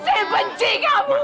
saya benci kamu